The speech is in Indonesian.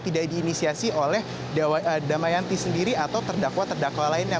tidak diinisiasi oleh damayanti sendiri atau terdakwa terdakwa lainnya